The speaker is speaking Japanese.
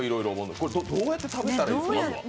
これ、どうやって食べたらいいんですか？